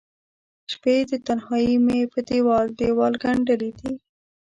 شپې د تنهائې مې په دیوال، دیوال ګنډلې دي